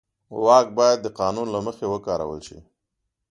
واک باید د قانون له مخې وکارول شي.